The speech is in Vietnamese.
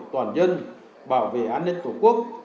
toàn dân bảo vệ an ninh tổ quốc